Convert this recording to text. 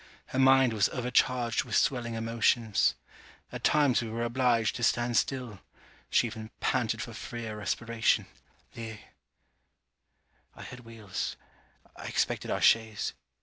Her mind was overcharged with swelling emotions. At times we were obliged to stand still. She even panted for freer respiration. The I heard wheels. I expected our chaise.